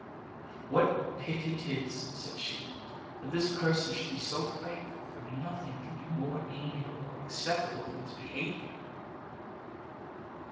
"What pity 'tis," said she, "that this person should be so frightful, for nothing can be more amiable or acceptable than his behaviour!"